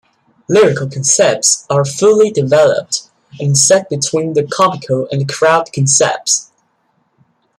Lyrical concepts are fully developed, and set between the comical and crowd concepts.